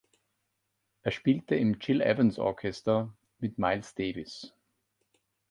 Er spielte im Gil Evans-Orchester mit Miles Davis.